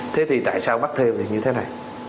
thế thì tại sao bắt thêu như thế này